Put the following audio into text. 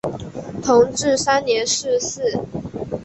同治三年逝世。